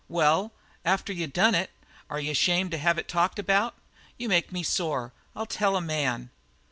"Well, after you done it, are you ashamed to have it talked about? You make me sore, I'll tell a man!"